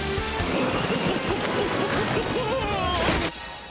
うわ。